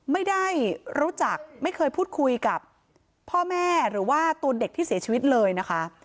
ไม่ได้รู้จักไม่เคยพูดคุยกับพ่อแม่หรือว่าตัวเด็กที่เสียชีวิตเลยนะคะ